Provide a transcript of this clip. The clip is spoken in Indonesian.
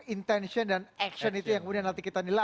intention dan action itu yang kemudian nanti kita nilai